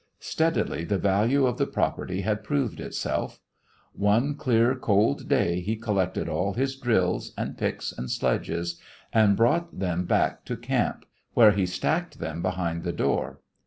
Steadily the value of the property had proved itself. One clear, cold day he collected all his drills and picks and sledges and brought them back to camp, where he stacked them behind the door.